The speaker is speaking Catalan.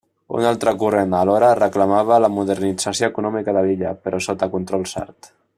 Un altre corrent, alhora, reclamava la modernització econòmica de l'illa, però sota control sard.